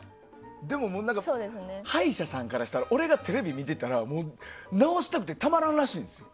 でも、歯医者さんからしたら俺のテレビを見ていたら治したくてたまらんらしいんですよ。